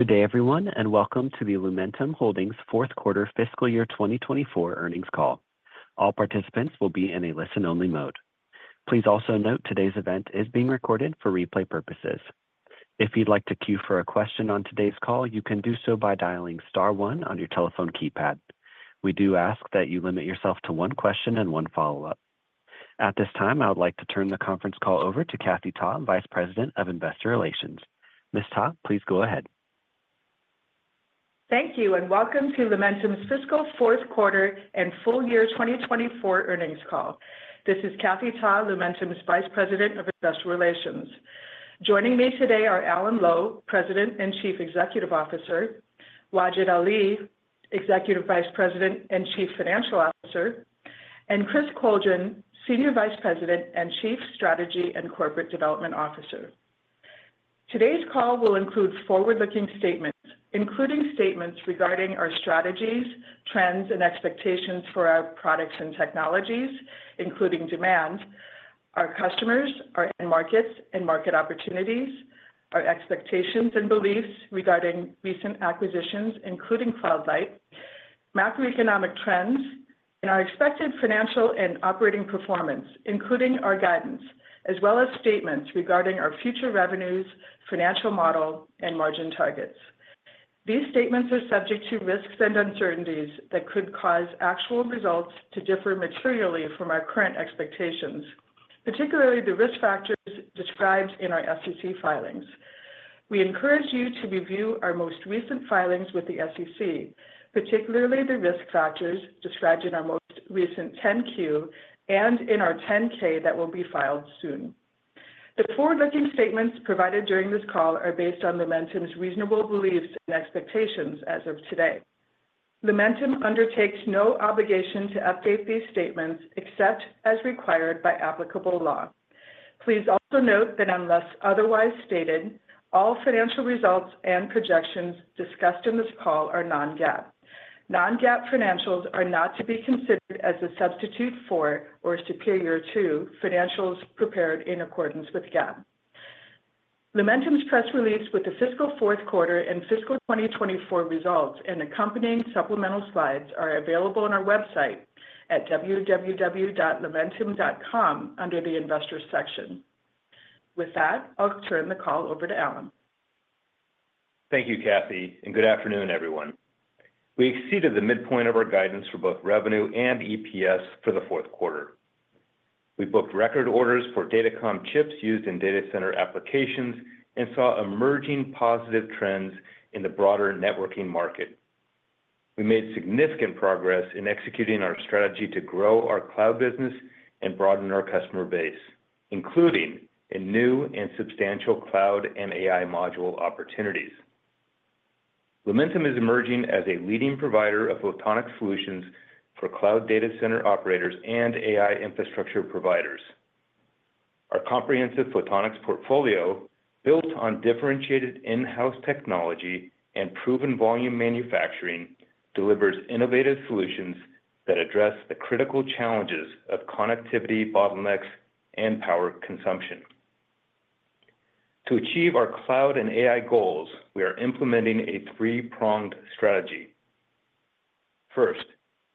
Good day, everyone, and welcome to the Lumentum Holdings fourth quarter fiscal year 2024 earnings call. All participants will be in a listen-only mode. Please also note today's event is being recorded for replay purposes. If you'd like to queue for a question on today's call, you can do so by dialing star one on your telephone keypad. We do ask that you limit yourself to one question and one follow-up. At this time, I would like to turn the conference call over to Kathy Ta, Vice President of Investor Relations. Ms. Ta, please go ahead. Thank you, and welcome to Lumentum's fiscal fourth quarter and full-year 2024 earnings call. This is Kathy Ta, Lumentum's Vice President of Investor Relations. Joining me today are Alan Lowe, President and Chief Executive Officer, Wajid Ali, Executive Vice President and Chief Financial Officer, and Chris Coldren, Senior Vice President and Chief Strategy and Corporate Development Officer. Today's call will include forward-looking statements, including statements regarding our strategies, trends, and expectations for our products and technologies, including demand, our customers, our end markets and market opportunities, our expectations and beliefs regarding recent acquisitions, including Cloud Light, macroeconomic trends, and our expected financial and operating performance, including our guidance, as well as statements regarding our future revenues, financial model, and margin targets. These statements are subject to risks and uncertainties that could cause actual results to differ materially from our current expectations, particularly the risk factors described in our SEC filings. We encourage you to review our most recent filings with the SEC, particularly the risk factors described in our most recent 10-Q and in our 10-K that will be filed soon. The forward-looking statements provided during this call are based on Lumentum's reasonable beliefs and expectations as of today. Lumentum undertakes no obligation to update these statements except as required by applicable law. Please also note that unless otherwise stated, all financial results and projections discussed in this call are non-GAAP. Non-GAAP financials are not to be considered as a substitute for or superior to financials prepared in accordance with GAAP. Lumentum's press release with the fiscal fourth quarter and fiscal 2024 results and accompanying supplemental slides are available on our website at www.lumentum.com under the Investors section. With that, I'll turn the call over to Alan. Thank you, Kathy, and good afternoon, everyone. We exceeded the midpoint of our guidance for both revenue and EPS for the fourth quarter. We booked record orders for datacom chips used in data center applications and saw emerging positive trends in the broader networking market. We made significant progress in executing our strategy to grow our cloud business and broaden our customer base, including in new and substantial cloud and AI module opportunities. Lumentum is emerging as a leading provider of photonic solutions for cloud data center operators and AI infrastructure providers. Our comprehensive photonics portfolio, built on differentiated in-house technology and proven volume manufacturing, delivers innovative solutions that address the critical challenges of connectivity bottlenecks and power consumption. To achieve our cloud and AI goals, we are implementing a three-pronged strategy. First,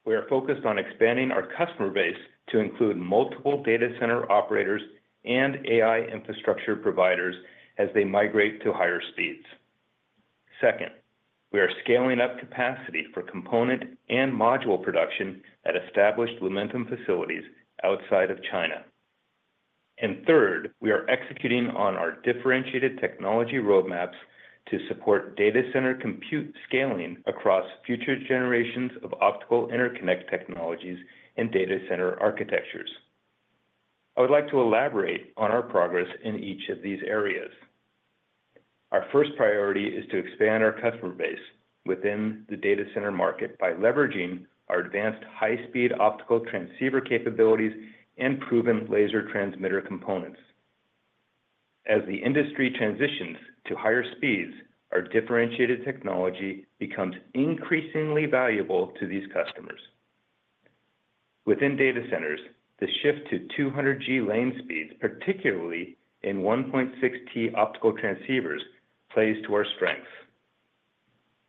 we are focused on expanding our customer base to include multiple data center operators and AI infrastructure providers as they migrate to higher speeds. Second, we are scaling up capacity for component and module production at established Lumentum facilities outside of China. And third, we are executing on our differentiated technology roadmaps to support data center compute scaling across future generations of optical interconnect technologies and data center architectures. I would like to elaborate on our progress in each of these areas. Our first priority is to expand our customer base within the data center market by leveraging our advanced high-speed optical transceiver capabilities and proven laser transmitter components. As the industry transitions to higher speeds, our differentiated technology becomes increasingly valuable to these customers. Within data centers, the shift to 200G lane speeds, particularly in 1.6T optical transceivers, plays to our strengths.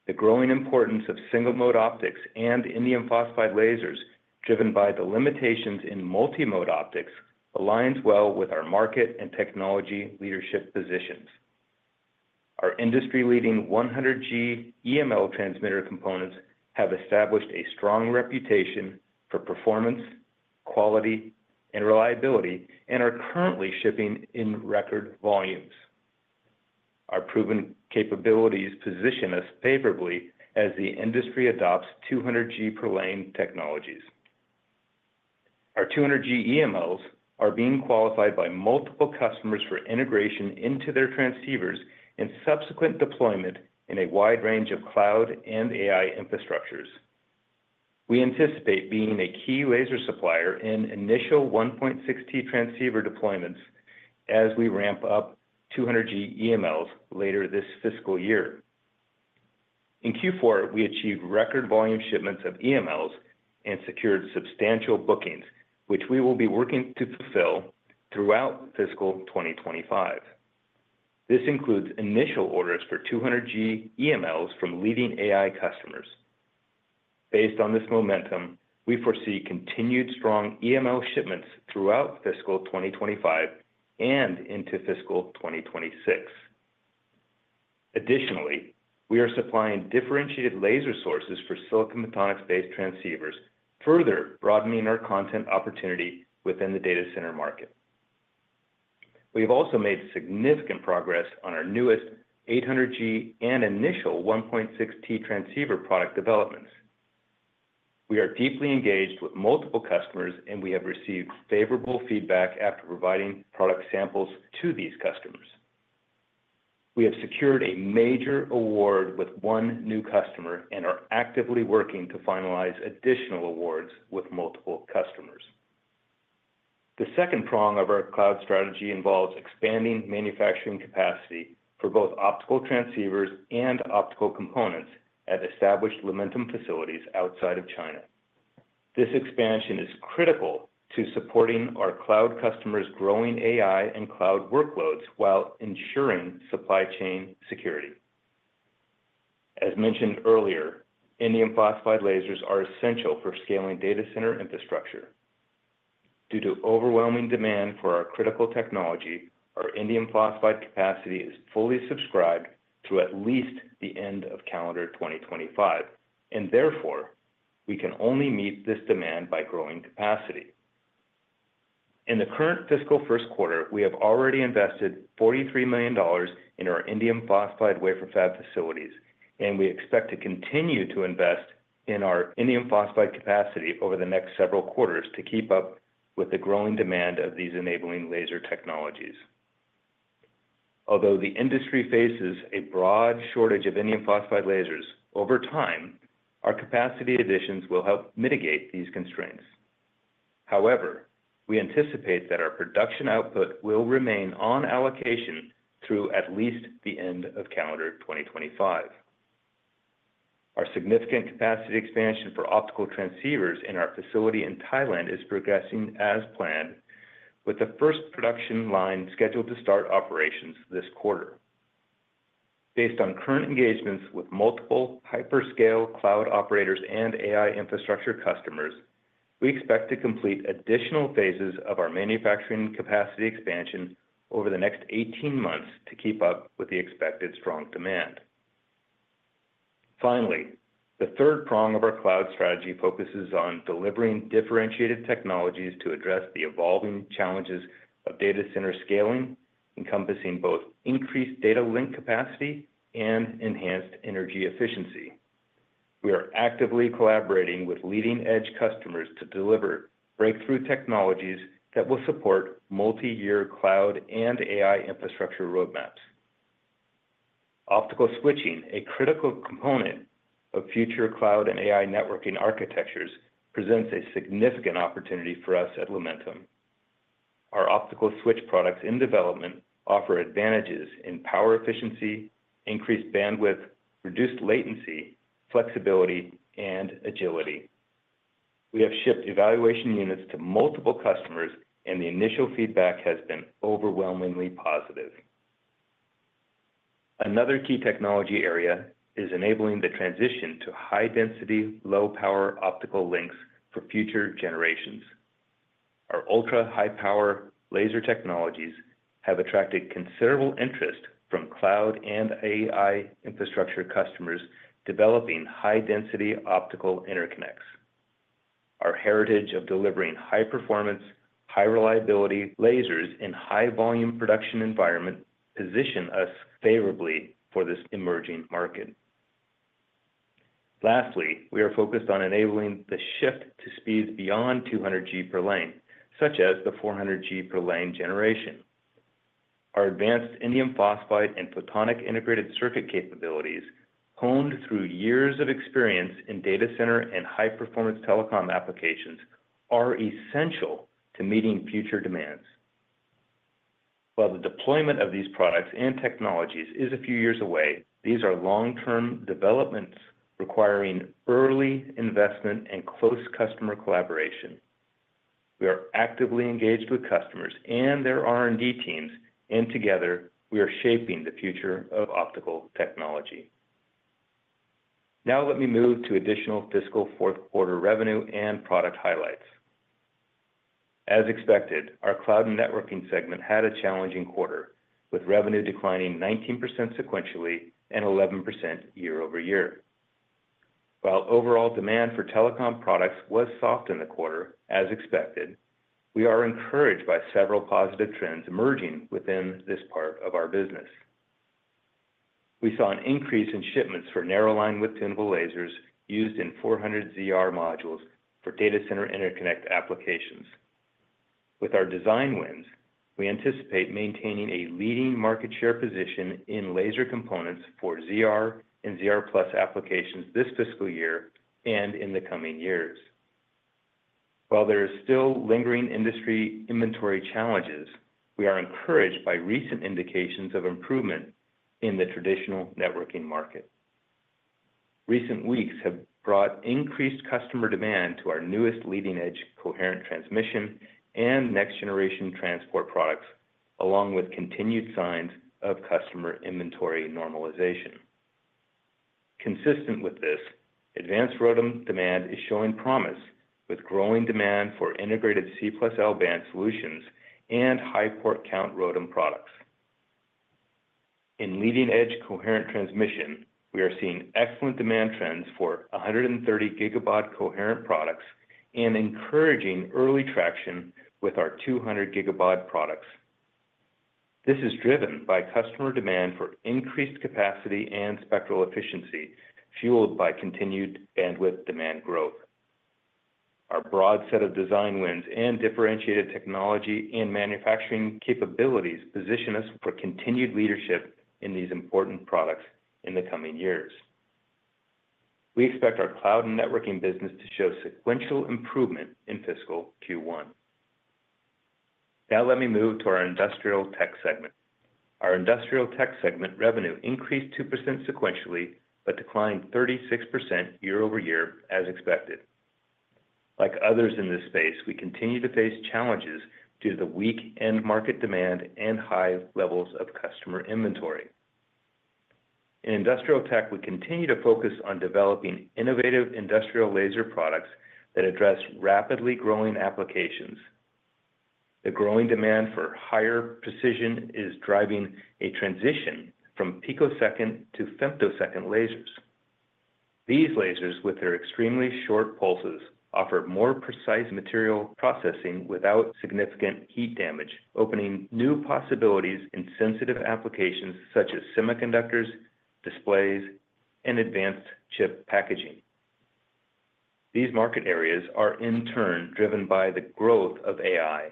The growing importance of single-mode optics and indium phosphide lasers, driven by the limitations in multimode optics, aligns well with our market and technology leadership positions. Our industry-leading 100G EML transmitter components have established a strong reputation for performance, quality, and reliability, and are currently shipping in record volumes. Our proven capabilities position us favorably as the industry adopts 200G per lane technologies. Our 200G EMLs are being qualified by multiple customers for integration into their transceivers and subsequent deployment in a wide range of cloud and AI infrastructures. We anticipate being a key laser supplier in initial 1.6T transceiver deployments as we ramp up 200G EMLs later this fiscal year. In Q4, we achieved record volume shipments of EMLs and secured substantial bookings, which we will be working to fulfill throughout fiscal 2025. This includes initial orders for 200G EMLs from leading AI customers. Based on this momentum, we foresee continued strong EML shipments throughout fiscal 2025 and into fiscal 2026. Additionally, we are supplying differentiated laser sources for silicon photonics-based transceivers, further broadening our content opportunity within the data center market. We have also made significant progress on our newest 800G and initial 1.6T transceiver product developments. We are deeply engaged with multiple customers, and we have received favorable feedback after providing product samples to these customers. We have secured a major award with one new customer and are actively working to finalize additional awards with multiple customers. The second prong of our cloud strategy involves expanding manufacturing capacity for both optical transceivers and optical components at established Lumentum facilities outside of China. This expansion is critical to supporting our cloud customers' growing AI and cloud workloads while ensuring supply chain security. As mentioned earlier, indium phosphide lasers are essential for scaling data center infrastructure. Due to overwhelming demand for our critical technology, our indium phosphide capacity is fully subscribed through at least the end of calendar 2025, and therefore, we can only meet this demand by growing capacity. In the current fiscal first quarter, we have already invested $43 million in our indium phosphide wafer fab facilities, and we expect to continue to invest in our indium phosphide capacity over the next several quarters to keep up with the growing demand of these enabling laser technologies. Although the industry faces a broad shortage of indium phosphide lasers, over time, our capacity additions will help mitigate these constraints. However, we anticipate that our production output will remain on allocation through at least the end of calendar 2025. Our significant capacity expansion for optical transceivers in our facility in Thailand is progressing as planned, with the first production line scheduled to start operations this quarter. Based on current engagements with multiple hyperscale cloud operators and AI infrastructure customers, we expect to complete additional phases of our manufacturing capacity expansion over the next 18 months to keep up with the expected strong demand. Finally, the third prong of our cloud strategy focuses on delivering differentiated technologies to address the evolving challenges of data center scaling, encompassing both increased data link capacity and enhanced energy efficiency. We are actively collaborating with leading-edge customers to deliver breakthrough technologies that will support multi-year cloud and AI infrastructure roadmaps. Optical switching, a critical component of future cloud and AI networking architectures, presents a significant opportunity for us at Lumentum. Our optical switch products in development offer advantages in power efficiency, increased bandwidth, reduced latency, flexibility, and agility. We have shipped evaluation units to multiple customers, and the initial feedback has been overwhelmingly positive. Another key technology area is enabling the transition to high density, low power optical links for future generations. Our ultra-high power laser technologies have attracted considerable interest from cloud and AI infrastructure customers developing high-density optical interconnects. Our heritage of delivering high performance, high reliability lasers in high volume production environment position us favorably for this emerging market. Lastly, we are focused on enabling the shift to speeds beyond 200G per lane, such as the 400G per lane generation. Our advanced indium phosphide and photonic integrated circuit capabilities, honed through years of experience in data center and high-performance telecom applications, are essential to meeting future demands. While the deployment of these products and technologies is a few years away, these are long-term developments requiring early investment and close customer collaboration. We are actively engaged with customers and their R&D teams, and together, we are shaping the future of optical technology. Now let me move to additional fiscal fourth quarter revenue and product highlights. As expected, our cloud networking segment had a challenging quarter, with revenue declining 19% sequentially and 11% year-over-year. While overall demand for telecom products was soft in the quarter, as expected, we are encouraged by several positive trends emerging within this part of our business. We saw an increase in shipments for narrow linewidth tunable lasers used in 400ZR modules for data center interconnect applications. With our design wins, we anticipate maintaining a leading market share position in laser components for ZR and ZR+ applications this fiscal year and in the coming years. While there is still lingering industry inventory challenges, we are encouraged by recent indications of improvement in the traditional networking market. Recent weeks have brought increased customer demand to our newest leading-edge coherent transmission and next-generation transport products, along with continued signs of customer inventory normalization. Consistent with this, advanced ROADM demand is showing promise, with growing demand for integrated C+L band solutions and high port count ROADM products. In leading-edge coherent transmission, we are seeing excellent demand trends for 130 Gbaud coherent products and encouraging early traction with our 200 Gbaud products. This is driven by customer demand for increased capacity and spectral efficiency, fueled by continued bandwidth demand growth. Our broad set of design wins and differentiated technology and manufacturing capabilities position us for continued leadership in these important products in the coming years. We expect our cloud and networking business to show sequential improvement in fiscal Q1. Now let me move to our industrial tech segment. Our industrial tech segment revenue increased 2% sequentially, but declined 36% year-over-year as expected. Like others in this space, we continue to face challenges due to the weak end market demand and high levels of customer inventory. In industrial tech, we continue to focus on developing innovative industrial laser products that address rapidly growing applications. The growing demand for higher precision is driving a transition from picosecond to femtosecond lasers. These lasers, with their extremely short pulses, offer more precise material processing without significant heat damage, opening new possibilities in sensitive applications such as semiconductors, displays, and advanced chip packaging. These market areas are in turn driven by the growth of AI.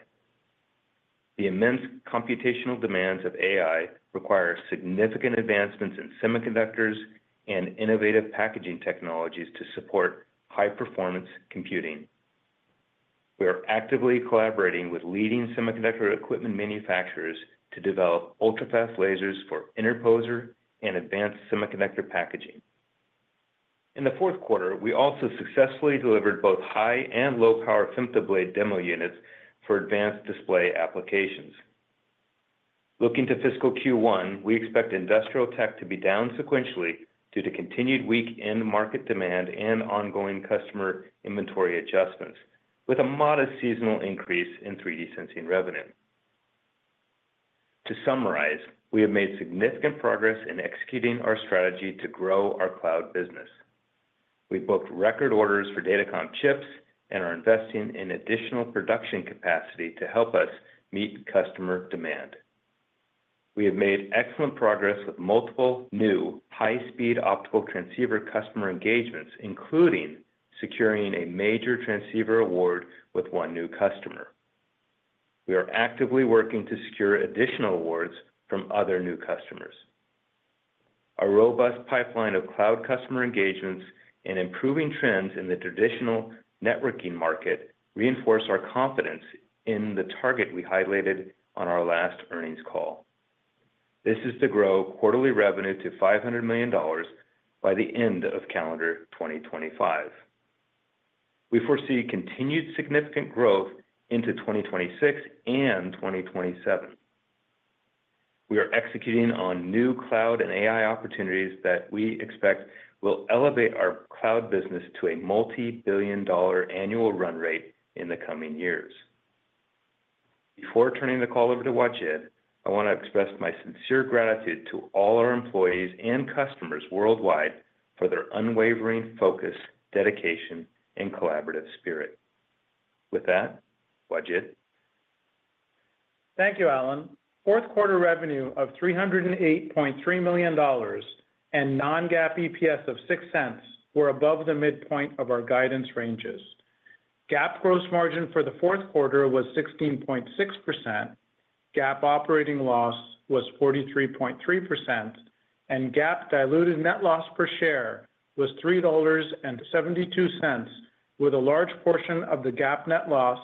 The immense computational demands of AI require significant advancements in semiconductors and innovative packaging technologies to support high-performance computing. We are actively collaborating with leading semiconductor equipment manufacturers to develop ultra-fast lasers for interposer and advanced semiconductor packaging. In the fourth quarter, we also successfully delivered both high and low-power FemtoBlade demo units for advanced display applications. Looking to fiscal Q1, we expect industrial tech to be down sequentially due to continued weak end market demand and ongoing customer inventory adjustments, with a modest seasonal increase in 3D sensing revenue. To summarize, we have made significant progress in executing our strategy to grow our cloud business. We booked record orders for datacom chips and are investing in additional production capacity to help us meet customer demand. We have made excellent progress with multiple new high-speed optical transceiver customer engagements, including securing a major transceiver award with one new customer. We are actively working to secure additional awards from other new customers. Our robust pipeline of cloud customer engagements and improving trends in the traditional networking market reinforce our confidence in the target we highlighted on our last earnings call. This is to grow quarterly revenue to $500 million by the end of calendar 2025. We foresee continued significant growth into 2026 and 2027. We are executing on new cloud and AI opportunities that we expect will elevate our cloud business to a multi-billion dollar annual run rate in the coming years. Before turning the call over to Wajid, I want to express my sincere gratitude to all our employees and customers worldwide for their unwavering focus, dedication, and collaborative spirit. With that, Wajid? Thank you, Alan. Fourth quarter revenue of $308.3 million and non-GAAP EPS of $0.06 were above the midpoint of our guidance ranges. GAAP gross margin for the fourth quarter was 16.6%, GAAP operating loss was 43.3%, and GAAP diluted net loss per share was $3.72, with a large portion of the GAAP net loss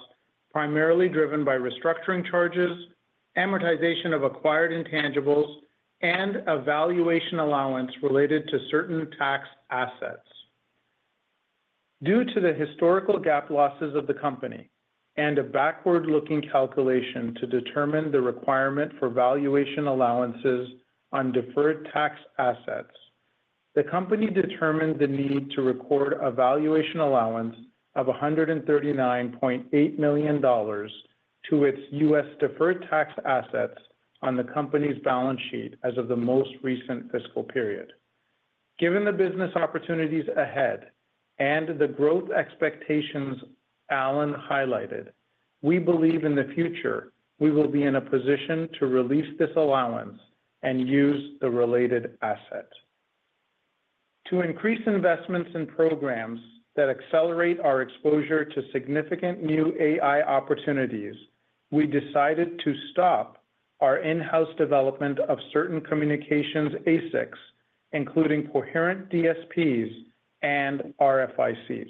primarily driven by restructuring charges, amortization of acquired intangibles, and a valuation allowance related to certain tax assets. Due to the historical GAAP losses of the company and a backward-looking calculation to determine the requirement for valuation allowances on deferred tax assets, the company determined the need to record a valuation allowance of $139.8 million to its U.S. deferred tax assets on the company's balance sheet as of the most recent fiscal period. Given the business opportunities ahead and the growth expectations Alan highlighted, we believe in the future we will be in a position to release this allowance and use the related asset. To increase investments in programs that accelerate our exposure to significant new AI opportunities, we decided to stop our in-house development of certain communications ASICs, including coherent DSPs and RFICs.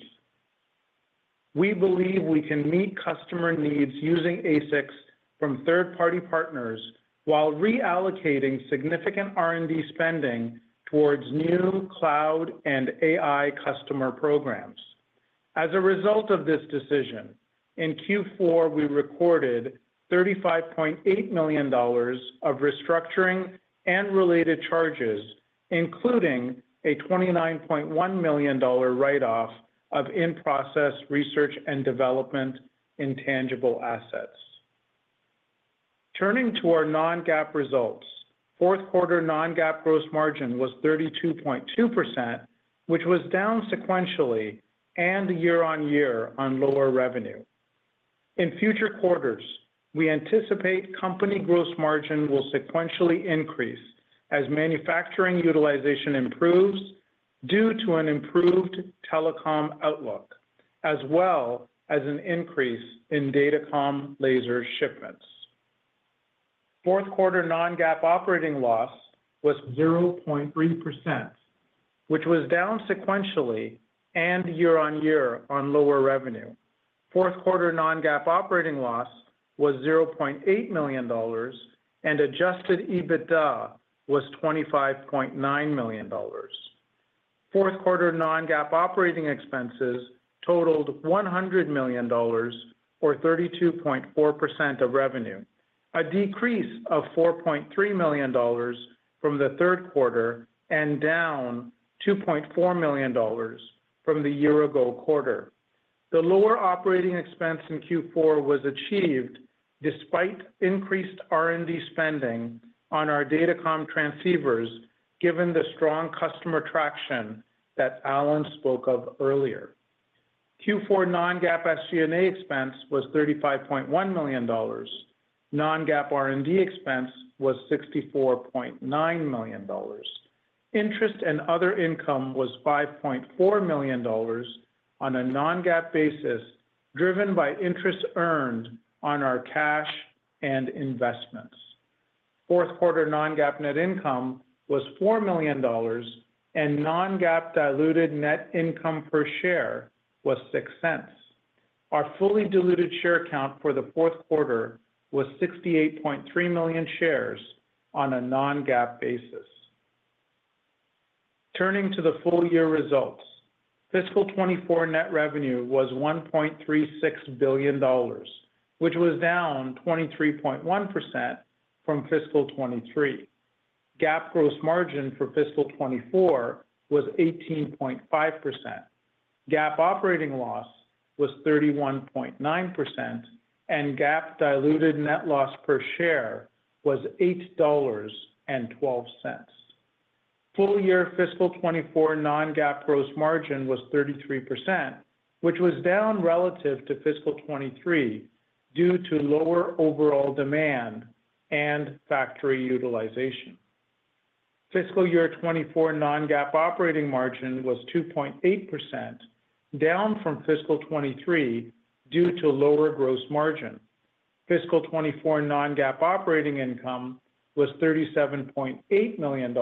We believe we can meet customer needs using ASICs from third-party partners while reallocating significant R&D spending towards new cloud and AI customer programs. As a result of this decision, in Q4, we recorded $35.8 million of restructuring and related charges, including a $29.1 million write-off of in-process research and development intangible assets. Turning to our non-GAAP results, fourth quarter non-GAAP gross margin was 32.2%, which was down sequentially and year-over-year on lower revenue. In future quarters, we anticipate company gross margin will sequentially increase as manufacturing utilization improves due to an improved telecom outlook, as well as an increase in datacom laser shipments. Fourth quarter non-GAAP operating loss was 0.3%, which was down sequentially and year-on-year on lower revenue. Fourth quarter non-GAAP operating loss was $0.8 million, and adjusted EBITDA was $25.9 million. Fourth quarter non-GAAP operating expenses totaled $100 million or 32.4% of revenue, a decrease of $4.3 million from the third quarter and down $2.4 million from the year ago quarter. The lower operating expense in Q4 was achieved despite increased R&D spending on our datacom transceivers, given the strong customer traction that Alan spoke of earlier. Q4 non-GAAP SG&A expense was $35.1 million. Non-GAAP R&D expense was $64.9 million. Interest and other income was $5.4 million on a non-GAAP basis, driven by interest earned on our cash and investments. Fourth quarter non-GAAP net income was $4 million, and non-GAAP diluted net income per share was $0.06. Our fully diluted share count for the fourth quarter was 68.3 million shares on a non-GAAP basis. Turning to the full-year results, fiscal 2024 net revenue was $1.36 billion, which was down 23.1% from fiscal 2023. GAAP gross margin for fiscal 2024 was 18.5%. GAAP operating loss was 31.9%, and GAAP diluted net loss per share was $8.12. Full-year fiscal 2024 non-GAAP gross margin was 33%, which was down relative to fiscal 2023 due to lower overall demand and factory utilization. Fiscal year 2024 non-GAAP operating margin was 2.8%, down from fiscal 2023 due to lower gross margin. Fiscal 2024 non-GAAP operating income was $37.8 million,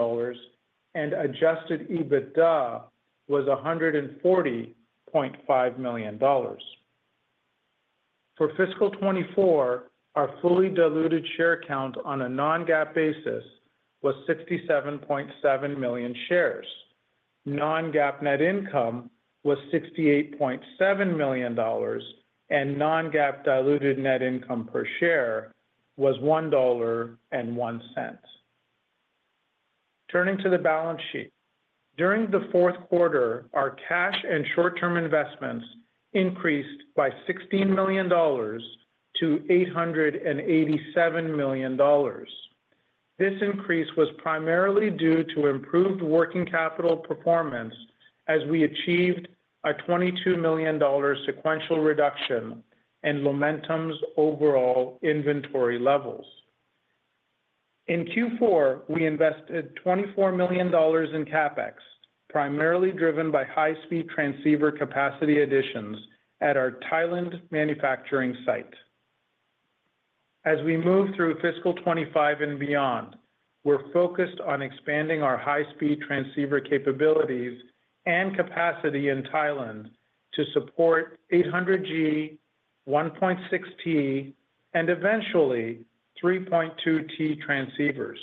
and adjusted EBITDA was $140.5 million. For fiscal 2024, our fully diluted share count on a non-GAAP basis was 67.7 million shares. Non-GAAP net income was $68.7 million, and non-GAAP diluted net income per share was $1.01. Turning to the balance sheet. During the fourth quarter, our cash and short-term investments increased by $16 million to $887 million. This increase was primarily due to improved working capital performance as we achieved a $22 million sequential reduction in Lumentum's overall inventory levels. In Q4, we invested $24 million in CapEx, primarily driven by high-speed transceiver capacity additions at our Thailand manufacturing site. As we move through fiscal 2025 and beyond, we're focused on expanding our high-speed transceiver capabilities and capacity in Thailand to support 800G, 1.6T, and eventually 3.2T transceivers.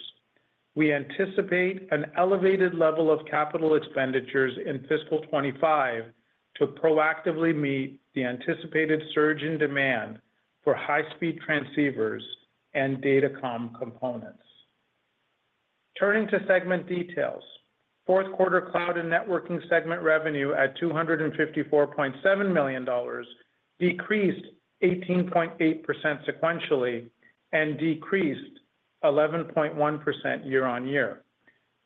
We anticipate an elevated level of capital expenditures in fiscal 2025 to proactively meet the anticipated surge in demand for high-speed transceivers and datacom components. Turning to segment details. Fourth quarter cloud and networking segment revenue at $254.7 million decreased 18.8% sequentially and decreased 11.1% year-over-year.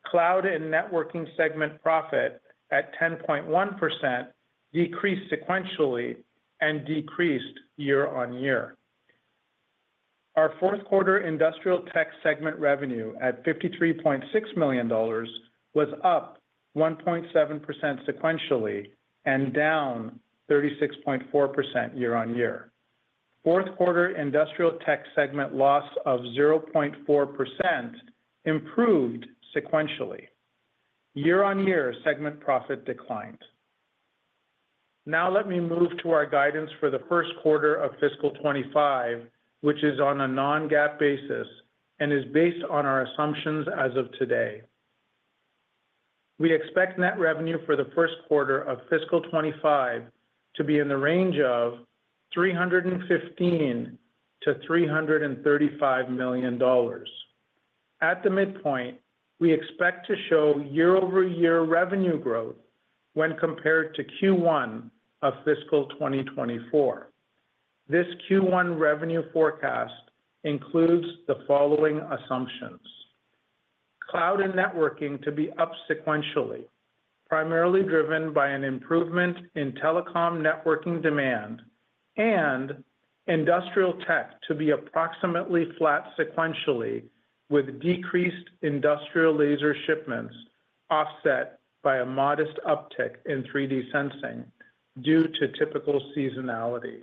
Cloud and networking segment profit at 10.1% decreased sequentially and decreased year-on-year. Our fourth quarter industrial tech segment revenue at $53.6 million was up 1.7% sequentially and down 36.4% year-on-year. Fourth quarter industrial tech segment loss of 0.4% improved sequentially. Year-on-year segment profit declined. Now let me move to our guidance for the first quarter of fiscal 2025, which is on a non-GAAP basis and is based on our assumptions as of today. We expect net revenue for the first quarter of fiscal 2025 to be in the range of $315 million-$335 million. At the midpoint, we expect to show year-over-year revenue growth when compared to Q1 of fiscal 2024. This Q1 revenue forecast includes the following assumptions: Cloud and networking to be up sequentially, primarily driven by an improvement in telecom networking demand, and industrial tech to be approximately flat sequentially, with decreased industrial laser shipments offset by a modest uptick in 3D sensing due to typical seasonality.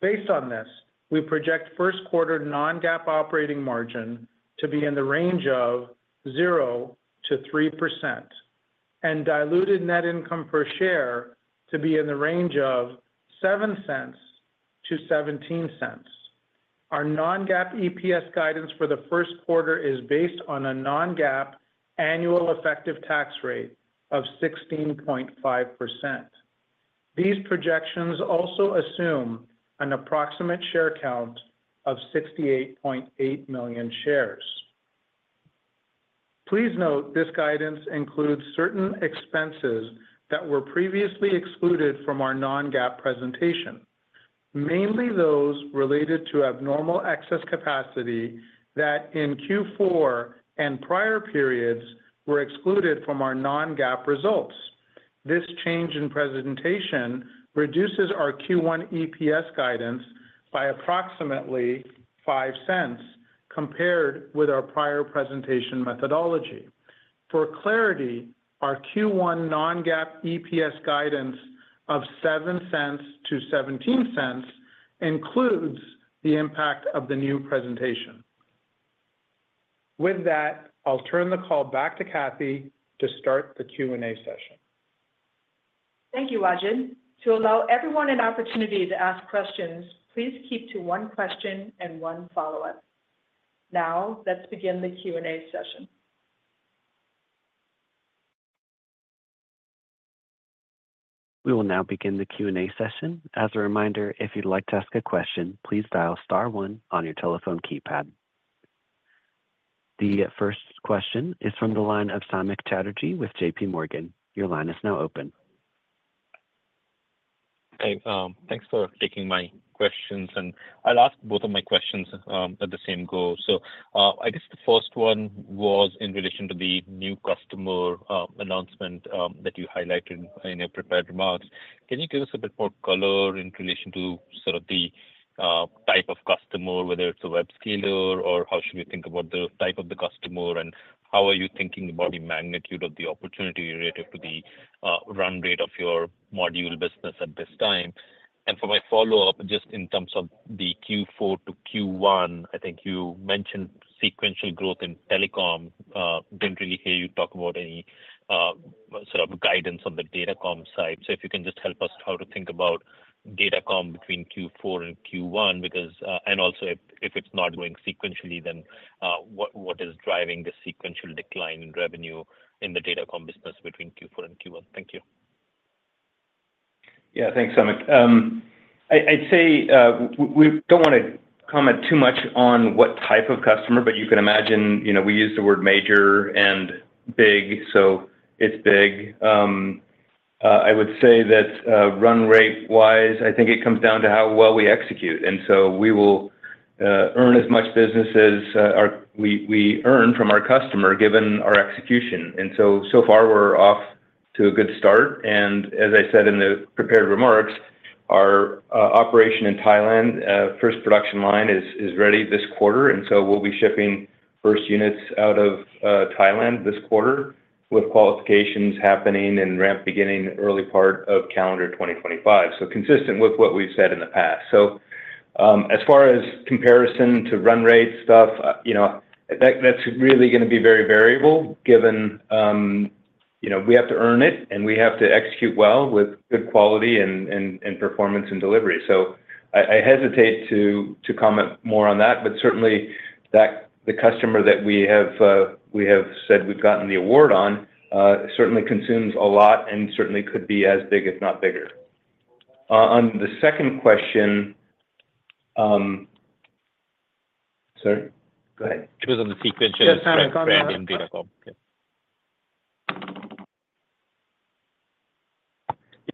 Based on this, we project first quarter non-GAAP operating margin to be in the range of 0%-3% and diluted net income per share to be in the range of $0.07-$0.17. Our non-GAAP EPS guidance for the first quarter is based on a non-GAAP annual effective tax rate of 16.5%. These projections also assume an approximate share count of 68.8 million shares. Please note, this guidance includes certain expenses that were previously excluded from our non-GAAP presentation, mainly those related to abnormal excess capacity that in Q4 and prior periods were excluded from our non-GAAP results. This change in presentation reduces our Q1 EPS guidance by approximately $0.05 compared with our prior presentation methodology. For clarity, our Q1 non-GAAP EPS guidance of $0.07-$0.17 includes the impact of the new presentation. With that, I'll turn the call back to Kathy to start the Q&A session. Thank you, Wajid. To allow everyone an opportunity to ask questions, please keep to one question and one follow-up. Now, let's begin the Q&A session. We will now begin the Q&A session. As a reminder, if you'd like to ask a question, please dial star one on your telephone keypad. The first question is from the line of Samik Chatterjee with JPMorgan. Your line is now open. Hey, thanks for taking my questions, and I'll ask both of my questions at the same go. So, I guess the first one was in relation to the new customer announcement that you highlighted in your prepared remarks. Can you give us a bit more color in relation to sort of the type of customer, whether it's a webscaler, or how should we think about the type of the customer, and how are you thinking about the magnitude of the opportunity relative to the run rate of your module business at this time? And for my follow-up, just in terms of the Q4 to Q1, I think you mentioned sequential growth in telecom. Didn't really hear you talk about any sort of guidance on the datacom side. So if you can just help us how to think about datacom between Q4 and Q1, because and also, if it's not growing sequentially, then what is driving the sequential decline in revenue in the datacom business between Q4 and Q1? Thank you. Yeah. Thanks, Samik. I'd say we don't want to comment too much on what type of customer, but you can imagine, you know, we use the word major and big, so it's big. I would say that run rate-wise, I think it comes down to how well we execute, and so we will earn as much business as we earn from our customer, given our execution. And so, so far, we're off to a good start, and as I said in the prepared remarks, our operation in Thailand first production line is ready this quarter, and so we'll be shipping first units out of Thailand this quarter, with qualifications happening and ramp beginning early part of calendar 2025. So consistent with what we've said in the past. So, as far as comparison to run rate stuff, you know, that, that's really gonna be very variable, given, you know, we have to earn it, and we have to execute well with good quality and performance and delivery. So I hesitate to comment more on that, but certainly, that, the customer that we have, we have said we've gotten the award on, certainly consumes a lot and certainly could be as big, if not bigger. On the second question... Sorry, go ahead. It was on the sequential- Yes... revenue vertical.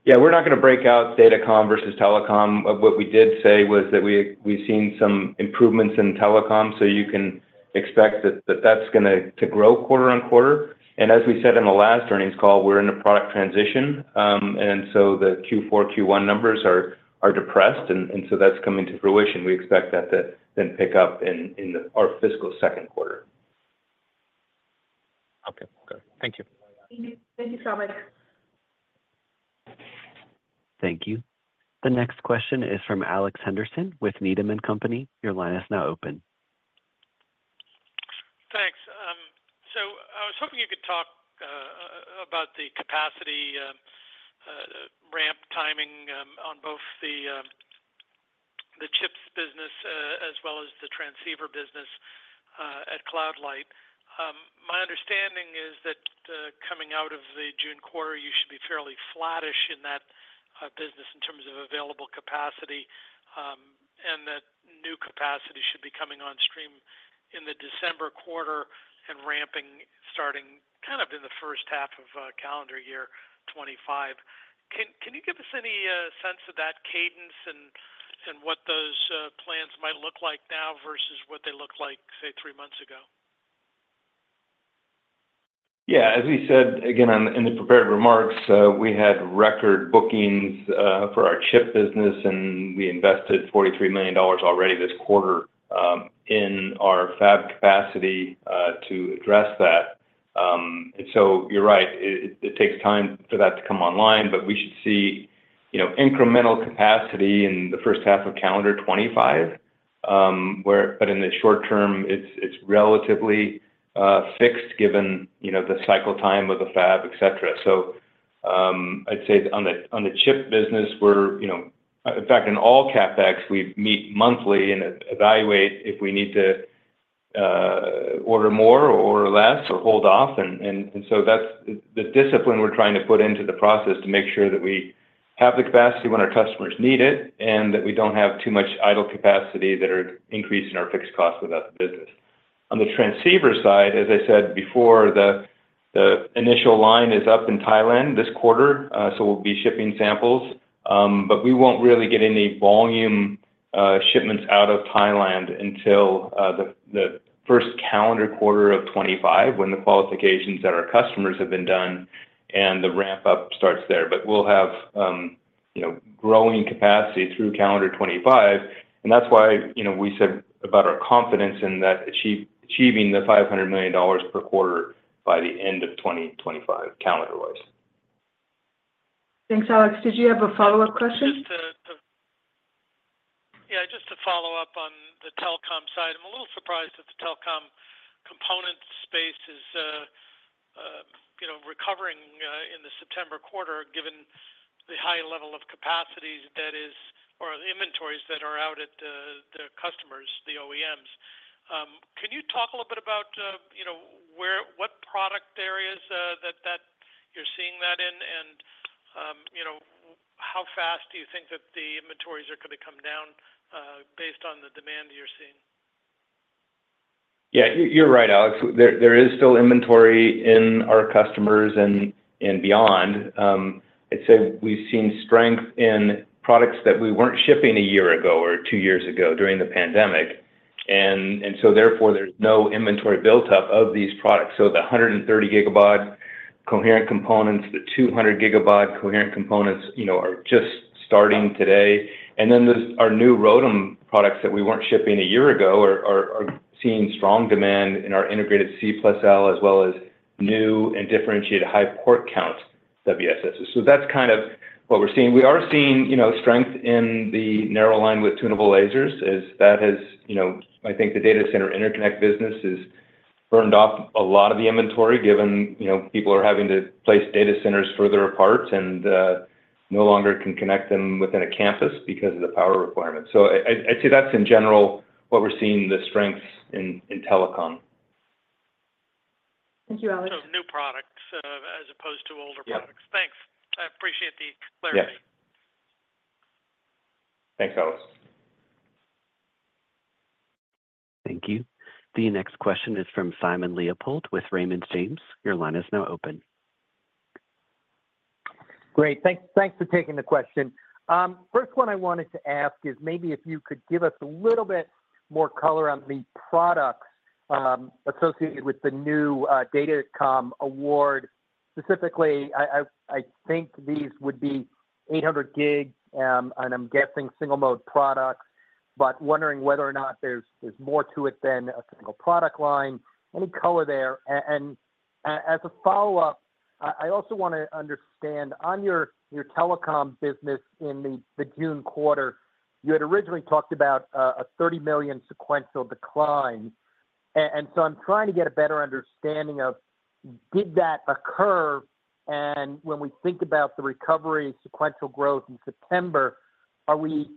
Yeah, we're not going to break out datacom versus telecom. What we did say was that we, we've seen some improvements in telecom, so you can expect that that's gonna grow quarter-over-quarter. And as we said in the last earnings call, we're in a product transition, and so the Q4, Q1 numbers are depressed, and so that's coming to fruition. We expect that to then pick up in our fiscal second quarter.... Thank you. Thank you. Thank you so much. Thank you. The next question is from Alex Henderson with Needham and Company. Your line is now open. Thanks. So I was hoping you could talk about the capacity ramp timing on both the chips business as well as the transceiver business at Cloud Light. My understanding is that coming out of the June quarter, you should be fairly flattish in that business in terms of available capacity, and that new capacity should be coming on stream in the December quarter and ramping starting kind of in the first half of calendar year 2025. Can you give us any sense of that cadence and what those plans might look like now versus what they looked like, say, three months ago? Yeah, as we said, again, on, in the prepared remarks, we had record bookings for our chip business, and we invested $43 million already this quarter in our fab capacity to address that. So you're right. It takes time for that to come online, but we should see, you know, incremental capacity in the first half of calendar 2025. But in the short term, it's relatively fixed, given, you know, the cycle time of the fab, et cetera. So, I'd say on the chip business, we're, you know. In fact, in all CapEx, we meet monthly and evaluate if we need to order more or less or hold off. So that's the discipline we're trying to put into the process to make sure that we have the capacity when our customers need it, and that we don't have too much idle capacity that are increasing our fixed costs without the business. On the transceiver side, as I said before, the initial line is up in Thailand this quarter, so we'll be shipping samples. But we won't really get any volume shipments out of Thailand until the first calendar quarter of 25, when the qualifications at our customers have been done and the ramp-up starts there. But we'll have, you know, growing capacity through calendar 25, and that's why, you know, we said about our confidence in that achieving the $500 million per quarter by the end of 2025, calendar wise. Thanks, Alex. Did you have a follow-up question? Just to follow up on the telecom side. I'm a little surprised that the telecom component space is, you know, recovering in the September quarter, given the high level of capacity that is, or the inventories that are out at the customers, the OEMs. Can you talk a little bit about, you know, what product areas that you're seeing that in? And, you know, how fast do you think that the inventories are going to come down, based on the demand you're seeing? Yeah, you're right, Alex. There is still inventory in our customers and beyond. I'd say we've seen strength in products that we weren't shipping a year ago or two years ago during the pandemic. And so therefore, there's no inventory built up of these products. So the 130 GB coherent components, the 200 GB coherent components, you know, are just starting today. And then there's our new ROADM products that we weren't shipping a year ago are seeing strong demand in our integrated C+L, as well as new and differentiated high port count WSS. So that's kind of what we're seeing. We are seeing, you know, strength in the narrow linewidth tunable lasers. As that has, you know, I think the data center interconnect business has burned off a lot of the inventory, given, you know, people are having to place data centers further apart and no longer can connect them within a campus because of the power requirements. So, I'd say that's in general what we're seeing the strengths in, in telecom. Thank you, Alex. So new products, as opposed to older products. Yeah. Thanks. I appreciate the clarity. Yes. Thanks, Alex. Thank you. The next question is from Simon Leopold with Raymond James. Your line is now open. Great. Thanks for taking the question. First one I wanted to ask is maybe if you could give us a little bit more color on the products associated with the new datacom award. Specifically, I think these would be 800G, and I'm guessing single-mode products, but wondering whether or not there's more to it than a single product line. Any color there? And as a follow-up, I also want to understand on your telecom business in the June quarter, you had originally talked about a $30 million sequential decline. And so I'm trying to get a better understanding of, did that occur? And when we think about the recovery sequential growth in September, are we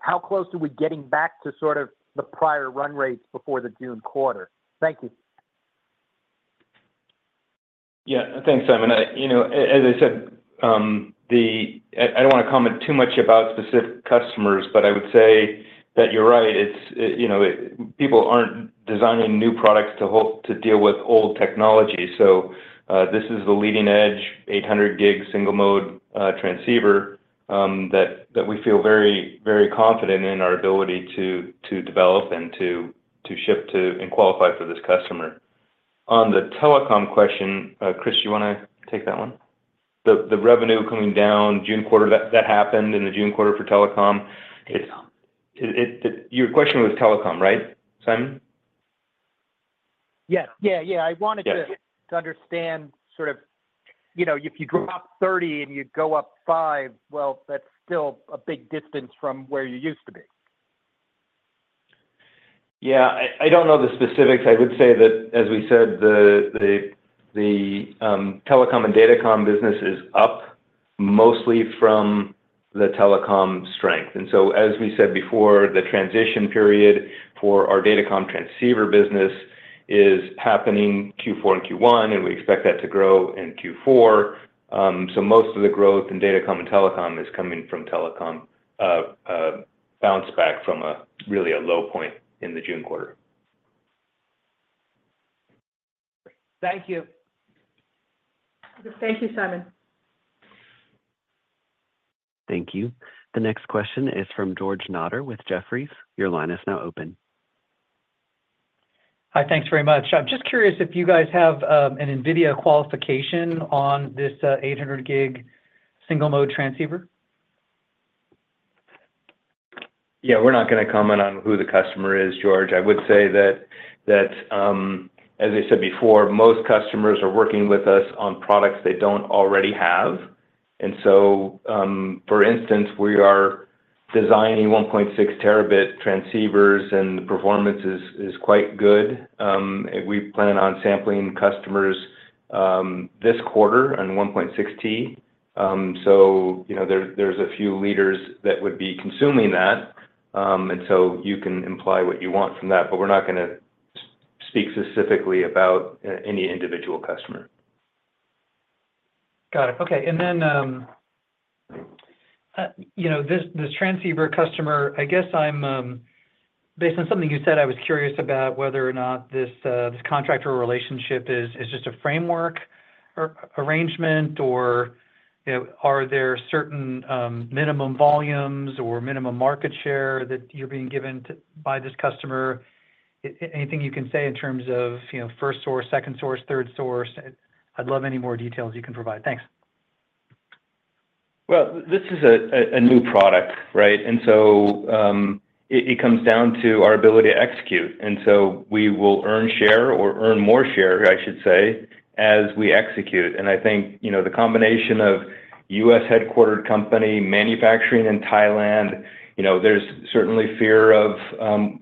how close are we getting back to sort of the prior run rates before the June quarter? Thank you. Yeah. Thanks, Simon. I, you know, as I said, I, I don't want to comment too much about specific customers, but I would say that you're right. It's, you know, people aren't designing new products to hope to deal with old technology. So, this is the leading-edge, 800G, single-mode, transceiver, that, that we feel very, very confident in our ability to, to develop and to, to ship to, and qualify for this customer. On the telecom question, Chris, you want to take that one? The, the revenue coming down, June quarter, that, that happened in the June quarter for telecom is it, it, your question was telecom, right, Simon? Yes. Yeah, yeah, I wanted to- Yeah. - to understand sort of, you know, if you drop 30 and you go up five, well, that's still a big distance from where you used to be. Yeah, I don't know the specifics. I would say that, as we said, the telecom and datacom business is up, mostly from the telecom strength. And so as we said before, the transition period for our datacom transceiver business is happening Q4 and Q1, and we expect that to grow in Q4. So most of the growth in datacom and telecom is coming from telecom bounce back from a really low point in the June quarter. Thank you. Thank you, Simon. Thank you. The next question is from George Notter with Jefferies. Your line is now open. Hi, thanks very much. I'm just curious if you guys have an NVIDIA qualification on this 800G single-mode transceiver? Yeah, we're not going to comment on who the customer is, George. I would say that as I said before, most customers are working with us on products they don't already have. And so for instance, we are designing 1.6T transceivers, and the performance is quite good. We plan on sampling customers this quarter on 1.6T. So, you know, there's a few leaders that would be consuming that. And so you can imply what you want from that, but we're not gonna speak specifically about any individual customer. Got it. Okay. And then, you know, this transceiver customer, I guess I'm based on something you said, I was curious about whether or not this contractor relationship is just a framework or arrangement, or, you know, are there certain minimum volumes or minimum market share that you're being given to by this customer? Anything you can say in terms of, you know, first source, second source, third source? I'd love any more details you can provide. Thanks. Well, this is a new product, right? And so, it comes down to our ability to execute, and so we will earn share or earn more share, I should say, as we execute. And I think, you know, the combination of U.S.-headquartered company manufacturing in Thailand, you know, there's certainly fear of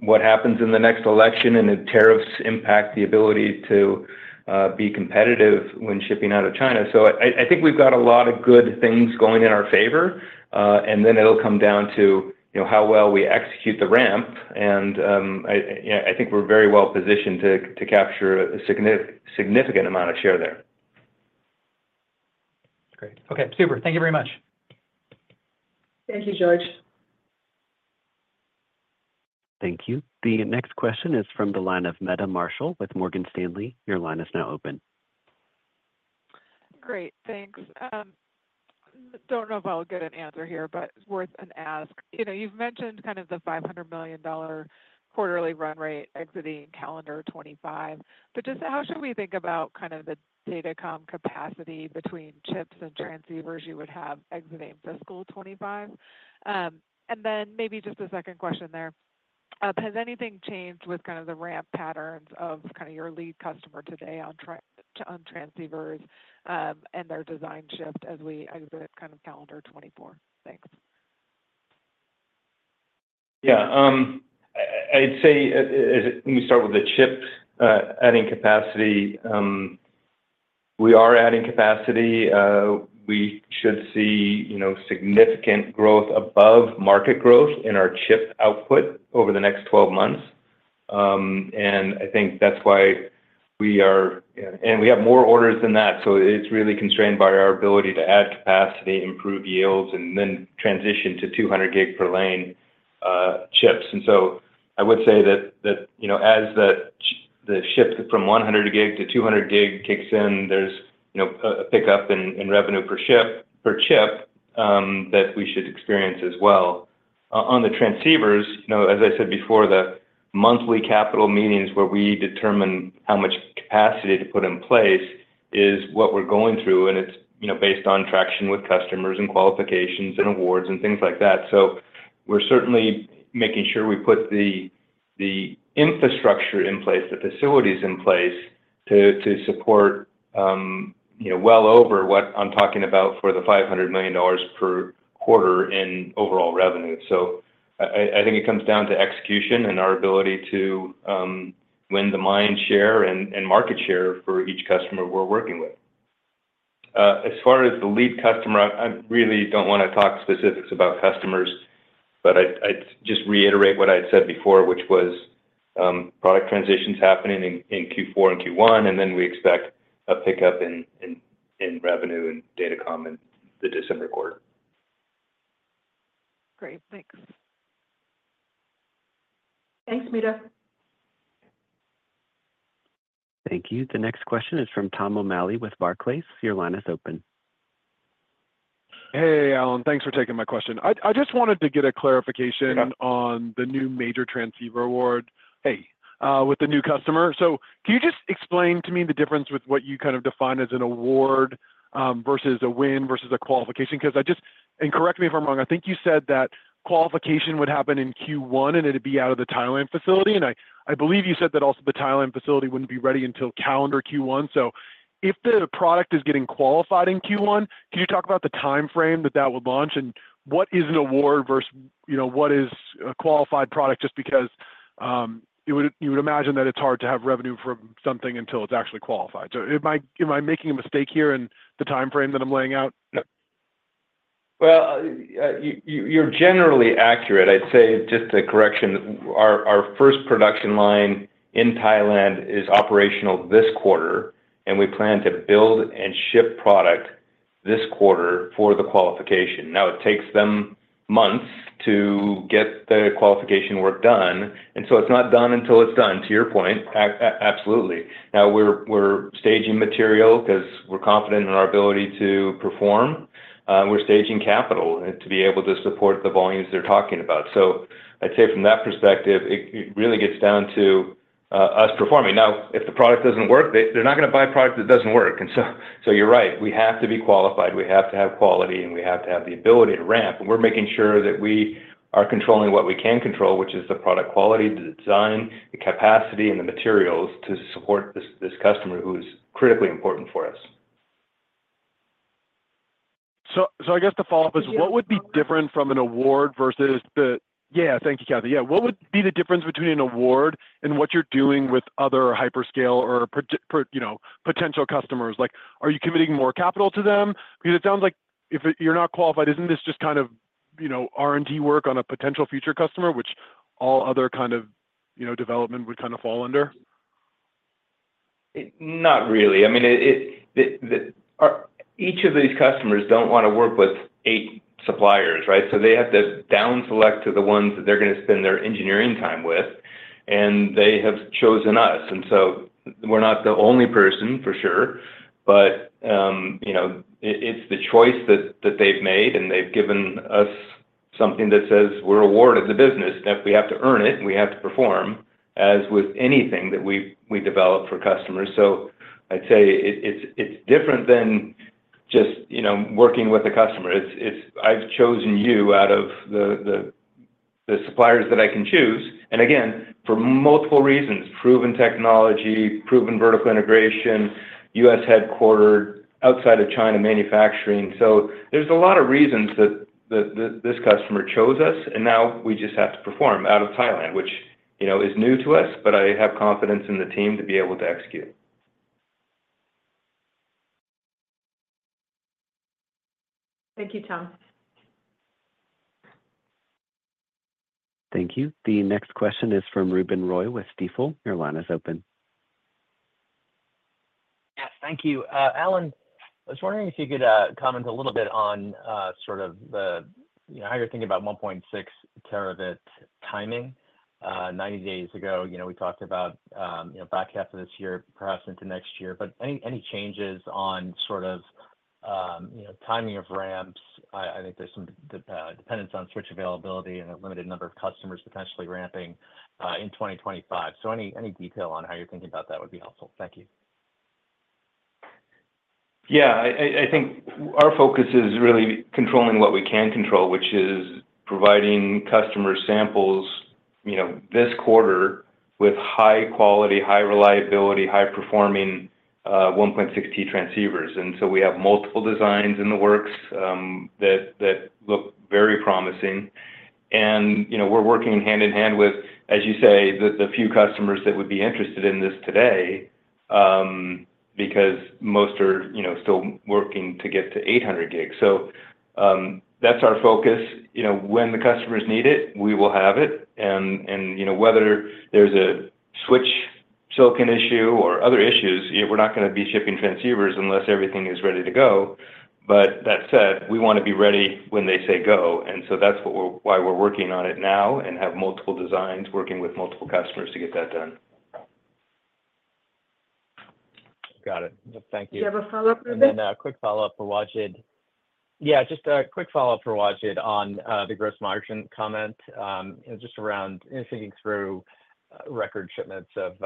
what happens in the next election and the tariffs impact, the ability to be competitive when shipping out of China. So I think we've got a lot of good things going in our favor, and then it'll come down to, you know, how well we execute the ramp. And I think we're very well positioned to capture a significant amount of share there. Great. Okay, super. Thank you very much. Thank you, George. Thank you. The next question is from the line of Meta Marshall with Morgan Stanley. Your line is now open. Great, thanks. Don't know if I'll get an answer here, but it's worth an ask. You know, you've mentioned kind of the $500 million quarterly run rate exiting calendar 2025, but just how should we think about kind of the datacom capacity between chips and transceivers you would have exiting fiscal 2025? And then maybe just a second question there. Has anything changed with kind of the ramp patterns of kind of your lead customer today on transceivers, and their design shift as we exit kind of calendar 2024? Thanks. Yeah, I'd say, let me start with the chips, adding capacity. We are adding capacity. We should see, you know, significant growth above market growth in our chip output over the next 12 months. And I think that's why we have more orders than that, so it's really constrained by our ability to add capacity, improve yields, and then transition to 200G per lane chips. And so I would say that, you know, as the shift from 100G-200G kicks in, there's, you know, a pickup in revenue per chip that we should experience as well. On the transceivers, you know, as I said before, the monthly capital meetings where we determine how much capacity to put in place is what we're going through, and it's, you know, based on traction with customers, and qualifications, and awards, and things like that. So we're certainly making sure we put the infrastructure in place, the facilities in place to support, you know, well over what I'm talking about for the $500 million per quarter in overall revenue. So I think it comes down to execution and our ability to win the mind share and market share for each customer we're working with. As far as the lead customer, I really don't want to talk specifics about customers, but I'd just reiterate what I'd said before, which was, product transition's happening in Q4 and Q1, and then we expect a pickup in revenue and datacom in the December quarter. Great. Thanks. Thanks, Meta. Thank you. The next question is from Tom O'Malley with Barclays. Your line is open. Hey, Alan, thanks for taking my question. I just wanted to get a clarification. Yeah... on the new major transceiver award with the new customer. So can you just explain to me the difference with what you kind of define as an award versus a win versus a qualification? Because I just-... and correct me if I'm wrong, I think you said that qualification would happen in Q1, and it'd be out of the Thailand facility. And I believe you said that also the Thailand facility wouldn't be ready until calendar Q1. So if the product is getting qualified in Q1, can you talk about the time frame that that would launch, and what is an award versus, you know, what is a qualified product? Just because you would imagine that it's hard to have revenue from something until it's actually qualified. So am I making a mistake here in the time frame that I'm laying out? Well, you're generally accurate. I'd say just a correction, our first production line in Thailand is operational this quarter, and we plan to build and ship product this quarter for the qualification. Now, it takes them months to get the qualification work done, and so it's not done until it's done, to your point, absolutely. Now, we're staging material 'cause we're confident in our ability to perform. We're staging capital and to be able to support the volumes they're talking about. So I'd say from that perspective, it really gets down to us performing. Now, if the product doesn't work, they're not gonna buy a product that doesn't work. And so, you're right, we have to be qualified, we have to have quality, and we have to have the ability to ramp. We're making sure that we are controlling what we can control, which is the product quality, the design, the capacity, and the materials to support this customer who is critically important for us. So, I guess the follow-up is, what would be different from an award versus the. Yeah, thank you, Kathy. Yeah, what would be the difference between an award and what you're doing with other hyperscale or potential, you know, customers? Like, are you committing more capital to them? Because it sounds like if it... you're not qualified, isn't this just kind of, you know, R&D work on a potential future customer, which all other kind of, you know, development would kind of fall under? Not really. I mean, each of these customers don't want to work with eight suppliers, right? So they have to down select to the ones that they're gonna spend their engineering time with, and they have chosen us. And so we're not the only person, for sure, but, you know, it's the choice that they've made, and they've given us something that says we're awarded the business. Now, we have to earn it, and we have to perform, as with anything that we develop for customers. So I'd say it's different than just, you know, working with a customer. It's, "I've chosen you out of the suppliers that I can choose." And again, for multiple reasons: proven technology, proven vertical integration, U.S. headquarter, outside of China manufacturing. There's a lot of reasons that this customer chose us, and now we just have to perform out of Thailand, which, you know, is new to us, but I have confidence in the team to be able to execute. Thank you, Tom. Thank you. The next question is from Ruben Roy with Stifel. Your line is open. Yes, thank you. Alan, I was wondering if you could comment a little bit on sort of the, you know, how you're thinking about 1.6T timing. Ninety days ago, you know, we talked about, you know, back half of this year, perhaps into next year, but any, any changes on sort of, you know, timing of ramps? I, I think there's some dependence on switch availability and a limited number of customers potentially ramping in 2025. So any, any detail on how you're thinking about that would be helpful. Thank you. Yeah, I think our focus is really controlling what we can control, which is providing customer samples, you know, this quarter with high quality, high reliability, high performing 1.6T transceivers. And so we have multiple designs in the works that look very promising. And, you know, we're working hand in hand with, as you say, the few customers that would be interested in this today because most are, you know, still working to get to 800G. So that's our focus. You know, when the customers need it, we will have it. And, you know, whether there's a switch silicon issue or other issues, we're not gonna be shipping transceivers unless everything is ready to go. But that said, we want to be ready when they say go, and so that's what we're, why we're working on it now and have multiple designs, working with multiple customers to get that done. Got it. Thank you. Do you have a follow-up, Ruben? Then a quick follow-up for Wajid. Yeah, just a quick follow-up for Wajid on the gross margin comment, just around thinking through record shipments of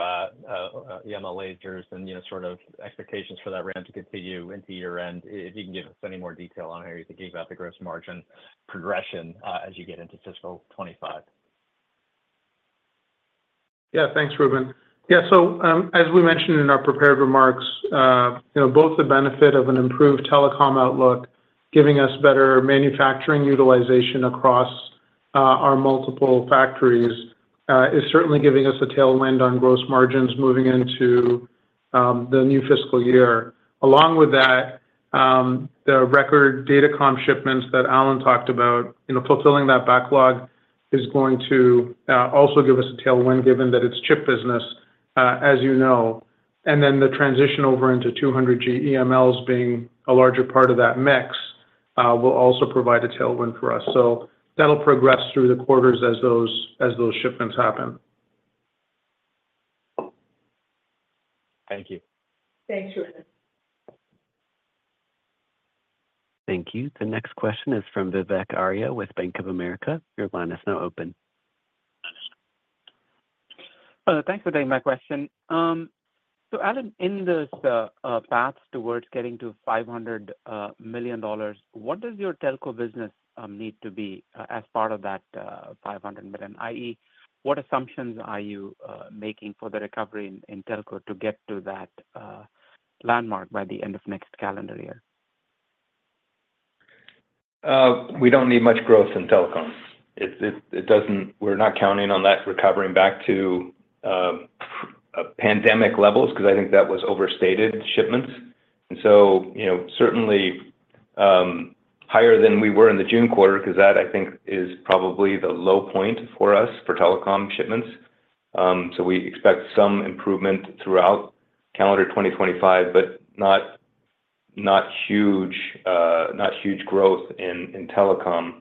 EML lasers and, you know, sort of expectations for that ramp to continue into year-end. If you can give us any more detail on how you're thinking about the gross margin progression, as you get into fiscal 2025. Yeah. Thanks, Ruben. Yeah, so, as we mentioned in our prepared remarks, you know, both the benefit of an improved telecom outlook, giving us better manufacturing utilization across our multiple factories, is certainly giving us a tailwind on gross margins moving into the new fiscal year. Along with that, the record datacom shipments that Alan talked about, you know, fulfilling that backlog is going to also give us a tailwind, given that it's chip business, as you know, and then the transition over into 200G EMLs being a larger part of that mix, will also provide a tailwind for us. So that'll progress through the quarters as those shipments happen. Thank you. Thanks, Reuben. Thank you. The next question is from Vivek Arya with Bank of America. Your line is now open.... Thanks for taking my question. So Alan, in this path towards getting to $500 million, what does your telco business need to be as part of that $500 million? i.e., what assumptions are you making for the recovery in telco to get to that landmark by the end of next calendar year? We don't need much growth in telecoms. It doesn't, we're not counting on that recovering back to pandemic levels, 'cause I think that was overstated shipments. And so, you know, certainly higher than we were in the June quarter, 'cause that, I think, is probably the low point for us for telecom shipments. So we expect some improvement throughout calendar 2025, but not, not huge, not huge growth in telecom.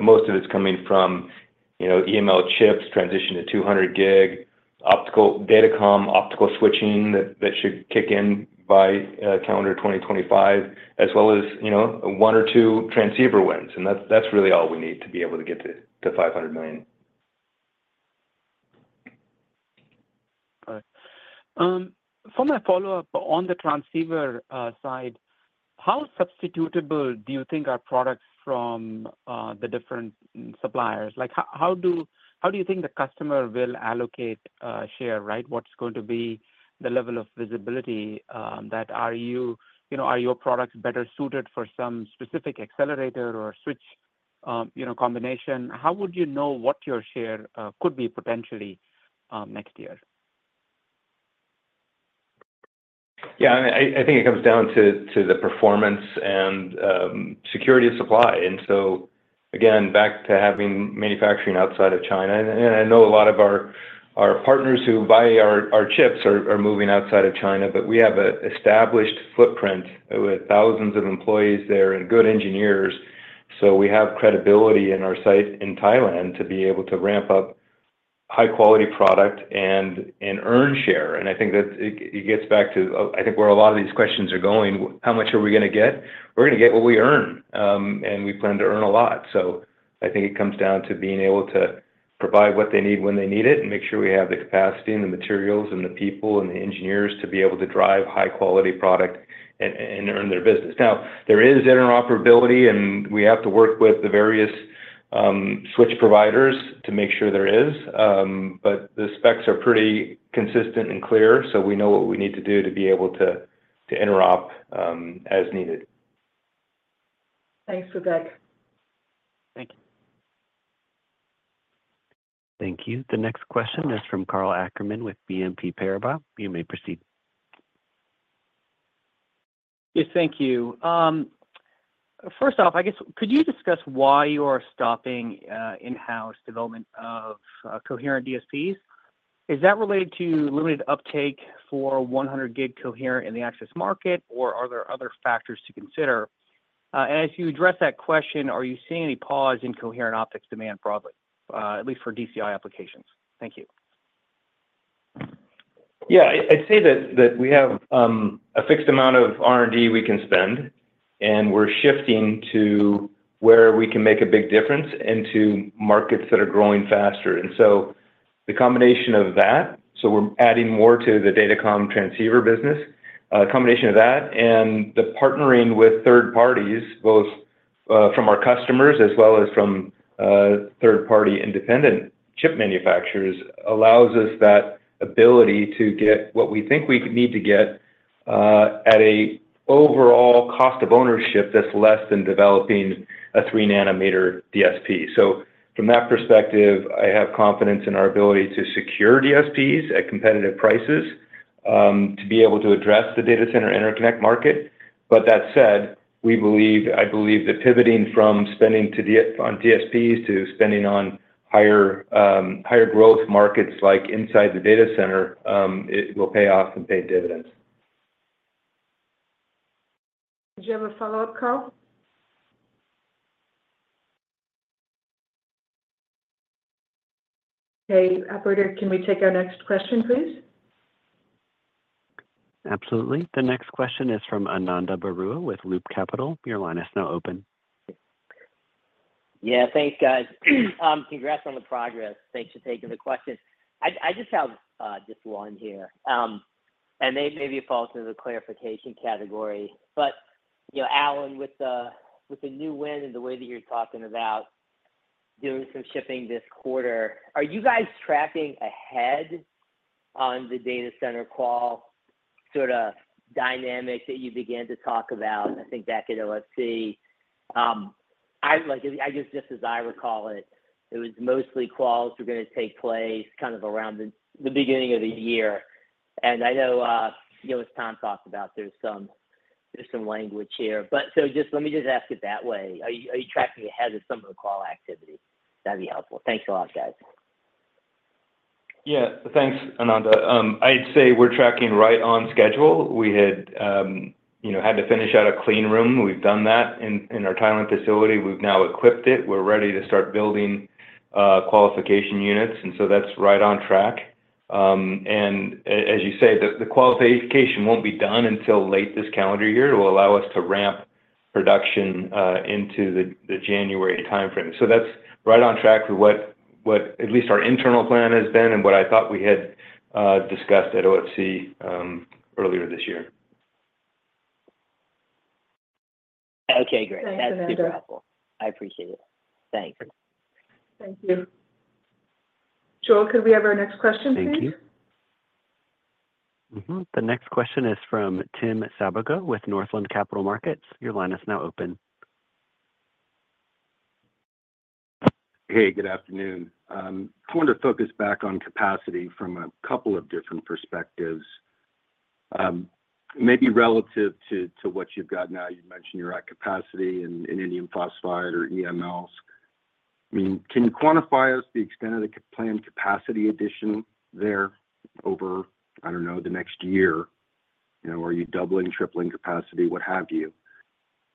Most of it's coming from, you know, EML chips, transition to 200G, optical datacom, optical switching, that, that should kick in by calendar 2025, as well as, you know, one or two transceiver wins. And that's, that's really all we need to be able to get to $500 million. All right. For my follow-up, on the transceiver side, how substitutable do you think are products from the different suppliers? Like, how do you think the customer will allocate share, right? What's going to be the level of visibility that you know are your products better suited for some specific accelerator or switch, you know, combination? How would you know what your share could be potentially next year? Yeah, I think it comes down to the performance and security of supply. And so, again, back to having manufacturing outside of China, and I know a lot of our partners who buy our chips are moving outside of China, but we have an established footprint with thousands of employees there and good engineers. So we have credibility in our site in Thailand to be able to ramp up high-quality product and earn share. And I think that it gets back to I think where a lot of these questions are going, "How much are we going to get?" We're going to get what we earn, and we plan to earn a lot. So I think it comes down to being able to provide what they need, when they need it, and make sure we have the capacity and the materials and the people and the engineers to be able to drive high-quality product and earn their business. Now, there is interoperability, and we have to work with the various switch providers to make sure there is. But the specs are pretty consistent and clear, so we know what we need to do to be able to interop as needed. Thanks, Vivek. Thank you. Thank you. The next question is from Karl Ackerman with BNP Paribas. You may proceed. Yes, thank you. First off, I guess, could you discuss why you are stopping in-house development of coherent DSPs? Is that related to limited uptake for 100G coherent in the access market, or are there other factors to consider? And as you address that question, are you seeing any pause in coherent optics demand broadly, at least for DCI applications? Thank you. Yeah, I'd say that we have a fixed amount of R&D we can spend, and we're shifting to where we can make a big difference into markets that are growing faster. And so the combination of that, so we're adding more to the datacom transceiver business. A combination of that and the partnering with third parties, both from our customers as well as from third-party independent chip manufacturers, allows us that ability to get what we think we need to get at an overall cost of ownership that's less than developing a 3 nm DSP. So from that perspective, I have confidence in our ability to secure DSPs at competitive prices to be able to address the data center interconnect market. But that said, we believe. I believe that pivoting from spending on DSPs to spending on higher, higher growth markets, like inside the data center, it will pay off and pay dividends. Do you have a follow-up, Karl? Okay, operator, can we take our next question, please? Absolutely. The next question is from Ananda Baruah with Loop Capital. Your line is now open. Yeah, thanks, guys. Congrats on the progress. Thanks for taking the question. I just have just one here, and maybe it falls into the clarification category. But, you know, Alan, with the new win and the way that you're talking about doing some shipping this quarter, are you guys tracking ahead on the data center qual sorta dynamics that you began to talk about, I think back at OFC? Like, just as I recall it, it was mostly quals were going to take place kind of around the beginning of the year. And I know, you know, as Tom talked about, there's some language here. But so just let me just ask it that way: Are you tracking ahead of some of the qual activity? That'd be helpful. Thanks a lot, guys. Yeah. Thanks, Ananda. I'd say we're tracking right on schedule. We had, you know, had to finish out a clean room. We've done that in our Thailand facility. We've now equipped it. We're ready to start building qualification units, and so that's right on track. And as you say, the qualification won't be done until late this calendar year. It will allow us to ramp production into the January timeframe. So that's right on track for what at least our internal plan has been and what I thought we had discussed at OFC earlier this year. Okay, great. Thanks, Ananda. That's super helpful. I appreciate it. Thanks. Thank you. Joel, could we have our next question, please? Thank you. Mm-hmm. The next question is from Tim Savageaux with Northland Capital Markets. Your line is now open. Hey, good afternoon. I wanted to focus back on capacity from a couple of different perspectives. Maybe relative to what you've got now. You mentioned you're at capacity in indium phosphide or EMLs. I mean, can you quantify us the extent of the planned capacity addition there over, I don't know, the next year? You know, are you doubling, tripling capacity, what have you?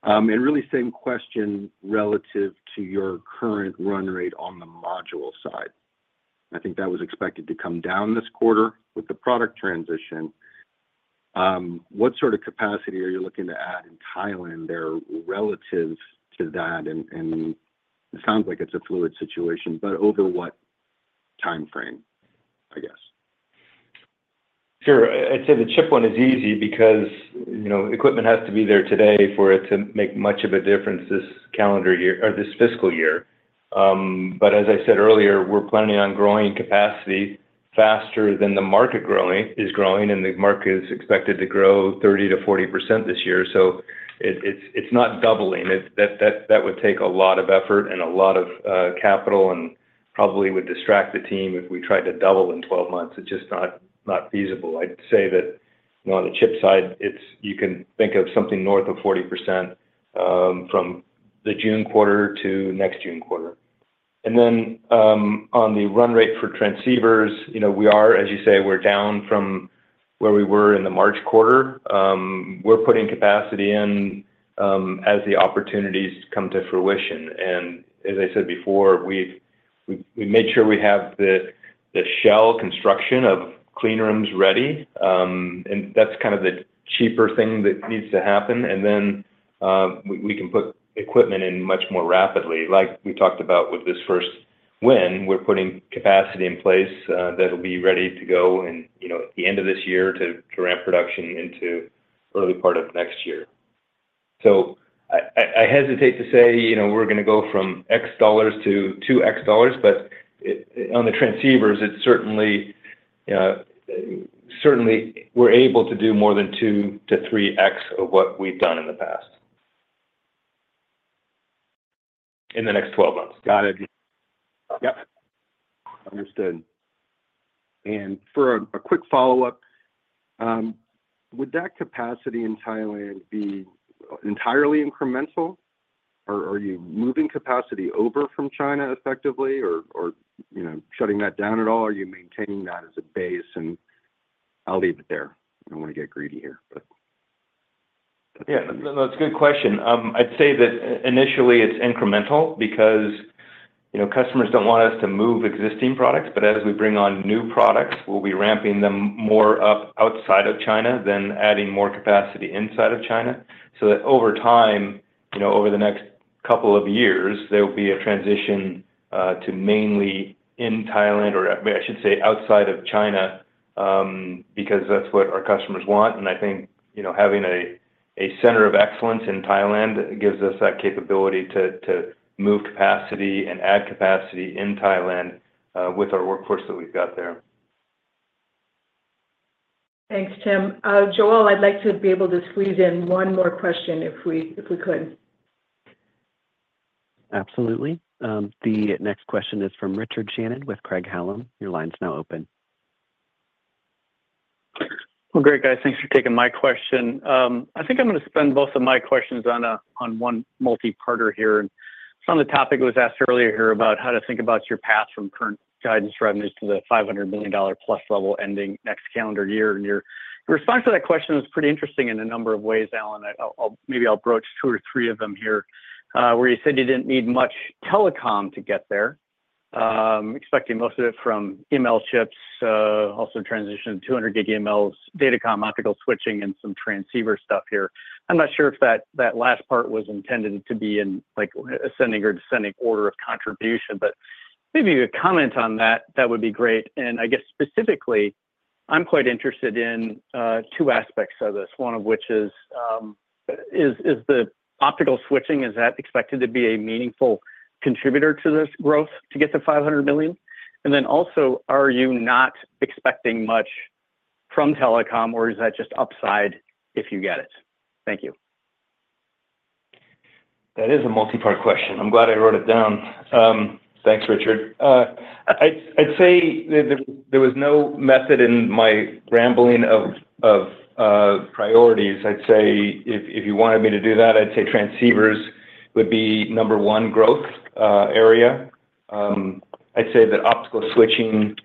And really same question relative to your current run rate on the module side. I think that was expected to come down this quarter with the product transition. What sort of capacity are you looking to add in Thailand there relative to that? And it sounds like it's a fluid situation, but over what timeframe, I guess? Sure. I'd say the chip one is easy because, you know, equipment has to be there today for it to make much of a difference this calendar year or this fiscal year. But as I said earlier, we're planning on growing capacity faster than the market growing - is growing, and the market is expected to grow 30% to 40% this year. So it, it's, it's not doubling. It's - that, that, that would take a lot of effort and a lot of capital, and probably would distract the team if we tried to double in 12 months. It's just not, not feasible. I'd say that on the chip side, it's - you can think of something north of 40%, from the June quarter to next June quarter. And then, on the run rate for transceivers, you know, we are, as you say, we're down from where we were in the March quarter. We're putting capacity in, as the opportunities come to fruition, and as I said before, we've made sure we have the shell construction of clean rooms ready. And that's kind of the cheaper thing that needs to happen, and then, we can put equipment in much more rapidly. Like we talked about with this first win, we're putting capacity in place, that'll be ready to go in, you know, at the end of this year to ramp production into early part of next year. So I hesitate to say, you know, we're gonna go from $X-$2X, but it, on the transceivers, it's certainly, certainly we're able to do more than 2X-3X of what we've done in the past. In the next 12 months. Got it. Yep. Understood. And for a quick follow-up, would that capacity in Thailand be entirely incremental, or are you moving capacity over from China effectively, or you know, shutting that down at all? Are you maintaining that as a base? And I'll leave it there. I don't want to get greedy here, but... Yeah, no, it's a good question. I'd say that initially, it's incremental because, you know, customers don't want us to move existing products, but as we bring on new products, we'll be ramping them more up outside of China than adding more capacity inside of China. So that over time, you know, over the next couple of years, there will be a transition to mainly in Thailand, or I should say, outside of China, because that's what our customers want. And I think, you know, having a center of excellence in Thailand gives us that capability to move capacity and add capacity in Thailand with our workforce that we've got there. Thanks, Tim. Joel, I'd like to be able to squeeze in one more question if we could. Absolutely. The next question is from Richard Shannon with Craig-Hallum. Your line is now open. Well, great, guys, thanks for taking my question. I think I'm gonna spend both of my questions on a-- on one multi-part here. It's on the topic that was asked earlier here about how to think about your path from current guidance revenues to the $500 million plus level ending next calendar year. Your response to that question was pretty interesting in a number of ways, Alan. I'll maybe broach two or three of them here, where you said you didn't need much telecom to get there, expecting most of it from EML chips, also transition to 200G EMLs, datacom, optical switching, and some transceiver stuff here. I'm not sure if that last part was intended to be in, like, ascending or descending order of contribution, but maybe a comment on that would be great. I guess specifically, I'm quite interested in two aspects of this. One of which is the optical switching. Is that expected to be a meaningful contributor to this growth to get to $500 million? Then also, are you not expecting much from telecom, or is that just upside if you get it? Thank you. That is a multi-part question. I'm glad I wrote it down. Thanks, Richard. I'd say there was no method in my rambling of priorities. I'd say if you wanted me to do that, I'd say transceivers would be number 1 growth area. I'd say that optical switching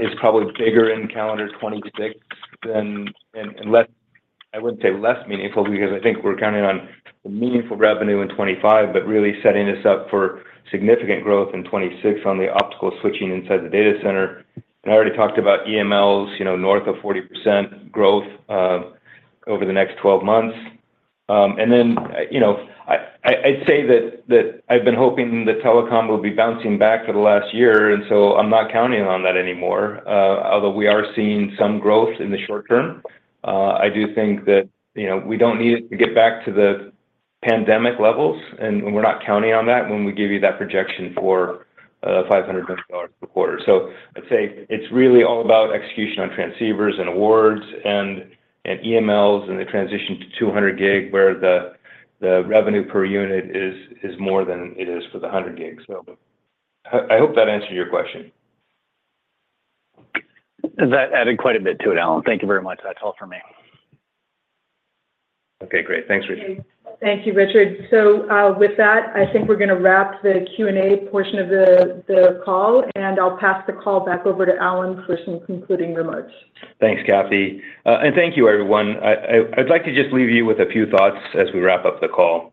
is probably bigger in calendar 2026 than in less—I wouldn't say less meaningful, because I think we're counting on meaningful revenue in 2025, but really setting us up for significant growth in 2026 on the optical switching inside the data center. And I already talked about EMLs, you know, north of 40% growth over the next 12 months. And then, you know, I'd say that I've been hoping that telecom will be bouncing back for the last year, and so I'm not counting on that anymore. Although we are seeing some growth in the short term, I do think that, you know, we don't need it to get back to the pandemic levels, and we're not counting on that when we give you that projection for $500 million per quarter. So I'd say it's really all about execution on transceivers and awards and EMLs and the transition to 200G, where the revenue per unit is more than it is for the 100G. So I hope that answered your question. That added quite a bit to it, Alan. Thank you very much. That's all for me. Okay, great. Thanks, Richard. Thank you, Richard. So, with that, I think we're going to wrap the Q&A portion of the call, and I'll pass the call back over to Alan for some concluding remarks. Thanks, Kathy. And thank you, everyone. I'd like to just leave you with a few thoughts as we wrap up the call.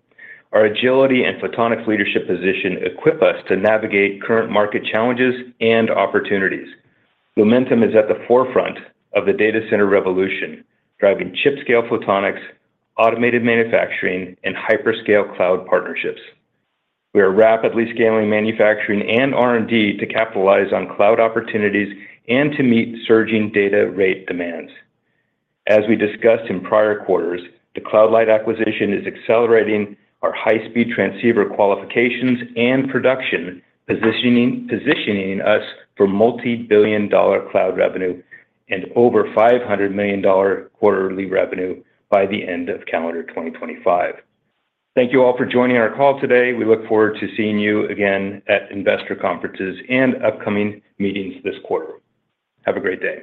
Our agility and photonics leadership position equip us to navigate current market challenges and opportunities. Lumentum is at the forefront of the data center revolution, driving chip-scale photonics, automated manufacturing, and hyperscale cloud partnerships. We are rapidly scaling manufacturing and R&D to capitalize on cloud opportunities and to meet surging data rate demands. As we discussed in prior quarters, the Cloud Light acquisition is accelerating our high-speed transceiver qualifications and production, positioning us for multi-billion-dollar cloud revenue and over $500 million quarterly revenue by the end of calendar 2025. Thank you all for joining our call today. We look forward to seeing you again at investor conferences and upcoming meetings this quarter. Have a great day.